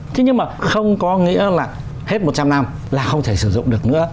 thế nhưng mà không có nghĩa là hết một trăm linh năm là không thể sử dụng được nữa